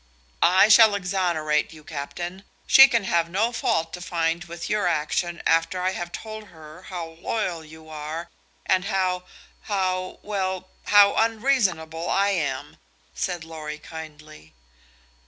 "I shall exonerate you, captain. She can have no fault to find with your action after I have told her how loyal you are and how how well, how unreasonable I am," said Lorry, kindly.